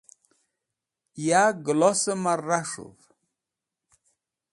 ya gelos mar ras̃huv